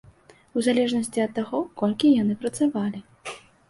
У залежнасці ад таго, колькі яны працавалі.